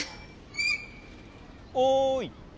おい！